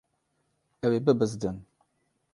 Ew ê bibizdin.